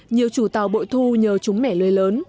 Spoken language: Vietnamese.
nhiều chủ tàu bội thu nhờ chúng mẻ lưới lớn